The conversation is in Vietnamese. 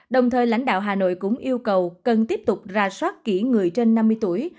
đồng thời lãnh đạo hà nội cũng yêu cầu cần tiếp tục ra soát kỹ người trên năm mươi tuổi